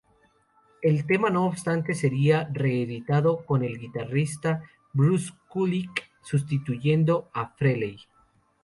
El tema, no obstante, sería reeditado, con el guitarrista Bruce Kulick sustituyendo a Frehley.